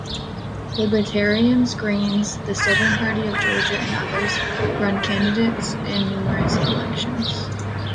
Libertarians, Greens, the Southern Party of Georgia, and others, run candidates in numerous elections.